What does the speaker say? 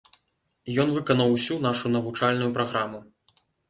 Ён выканаў усю нашу навучальную праграму.